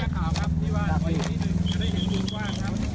ค้าไว้แป๊บหนึ่งเร็วครับครับตีกี่ทีครับที่ว่าไม่ได้มุมหว่าง